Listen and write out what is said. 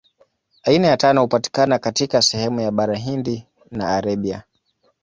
Aina ya tano hupatikana katika sehemu ya Bara Hindi na Arabia.